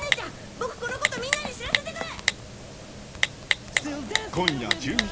僕このことみんなに知らせてくる！